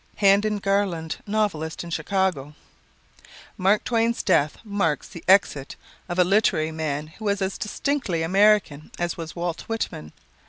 Handin Garland, novelist, in Chicago: "Mark Twain's death marks the exit of a literary man who was as distinctly American as was Walt Whitman.